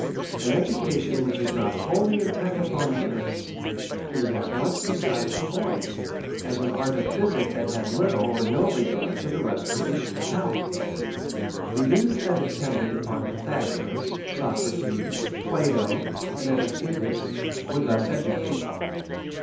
An education which is not wholly intent upon this, is as much beside the point, as an art of physic, that had little or no regard to the restoration of health. The youths that attended upon Pythagoras, Socra tes, Plato, and Epictetus, were thus educated.